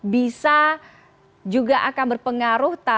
bisa juga akan berpengaruh